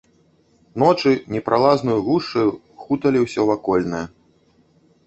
Ночы непралазнаю гушчаю хуталі ўсё вакольнае.